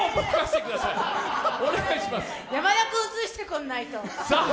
山田君映してくんないと。